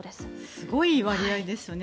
すごい割合ですよね。